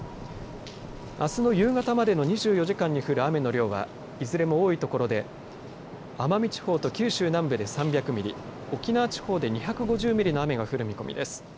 あすの夕方までの７２時間に降る雨の量はいずれも多い所で奄美地方と九州南部で３００ミリ沖縄地方で２５０ミリの雨が降る見込みです。